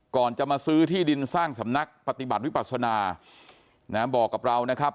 ก่อนจะมาซื้อที่ดินสร้างสำนักปฏิบัติวิปัสนานะบอกกับเรานะครับ